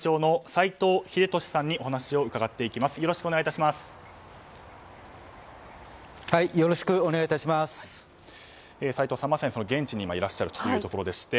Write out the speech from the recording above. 斎藤さん、まさに現地にいらっしゃるところでして。